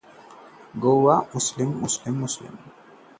गोवा चुनाव: बीजेपी-एमजीपी को बहुमत, जीत का जश्न